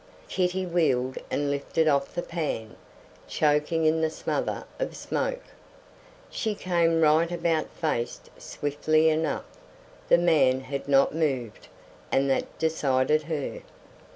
Kitty wheeled and lifted off the pan, choking in the smother of smoke. She came right about face swiftly enough. The man had not moved; and that decided her.